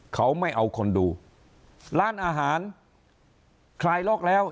เขาไม่เอาคนดูร้านอาหารคลายล็อกแล้ว